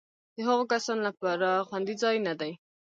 د هغو کسانو لپاره خوندي ځای نه دی.